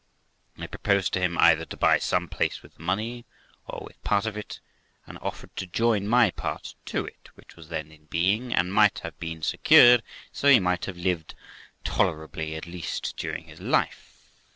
I proposed to him either to buy some place with the money, or with part of it, and offered to join my part to it, which was then in being, and might have been secured ; so we might have lived tolerably at least during his life.